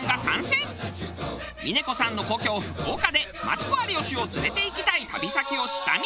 峰子さんの故郷福岡でマツコ有吉を連れていきたい旅先を下見！